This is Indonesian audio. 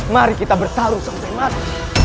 mari kita bertarung sampai mati